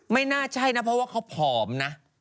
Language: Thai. ไม่น่าใช่นะเพราะว่าเขาผอมนะ